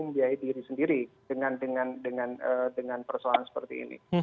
membiayai diri sendiri dengan persoalan seperti ini